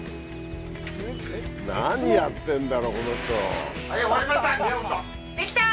何やってんだろこの人。